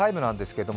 けど